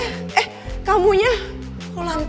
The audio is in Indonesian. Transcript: ma aku punya banyak uang tuh